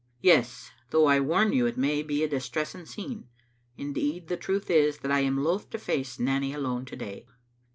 "Yes, though I warn you it may be a distressing scene ; indeed, the truth is that I am loth to face Nanny alone to day.